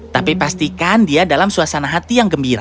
tapi pastikan dia dalam suasana hati yang gembira